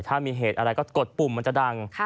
ถ้ามีเหตุอะไรก็กดปุ่มมันจะดัง